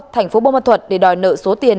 thành phố bông mật thuật để đòi nợ số tiền